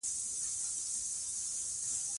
د سيند په څېر تل روان اوسئ.